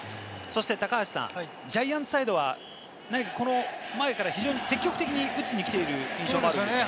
ジャイアンツサイドはこの前から積極的に打ちに来ている印象ですが。